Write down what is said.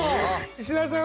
石田さん！